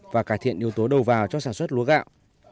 và cải thiện yếu tố đầu vào cho sản xuất lúa gạo